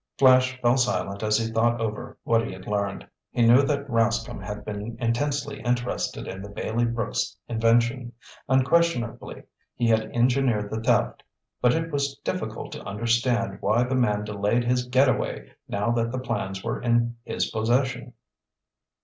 Flash fell silent as he thought over what he had learned. He knew that Rascomb had been intensely interested in the Bailey Brooks' invention. Unquestionably, he had engineered the theft. But it was difficult to understand why the man delayed his get away now that the plans were in his possession.